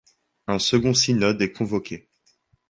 Un second synode est convoqué.